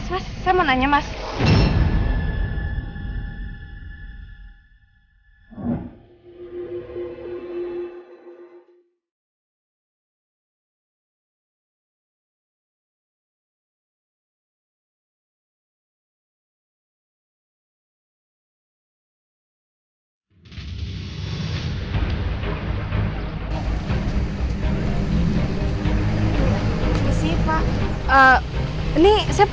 itu nunggu tau gak